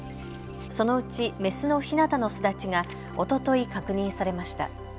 そのうちメスのひなたの巣立ちがおととい確認されました。